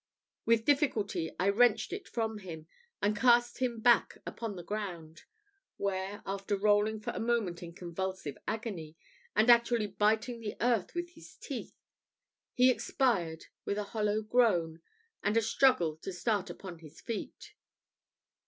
With difficulty I wrenched it from him, and cast him back upon the ground, where, after rolling for a moment in convulsive agony, and actually biting the earth with his teeth, he expired with a hollow groan and a struggle to start upon his feet.